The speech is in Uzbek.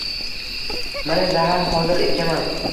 Mana zahar, hozir ichaman